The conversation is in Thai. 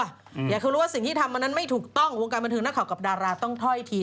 อยากคือรู้ว่าสิ่งที่ทำอันนั้นไม่ถูกต้องวงการบันเทิงนักข่าวกับดาราต้องถ้อยที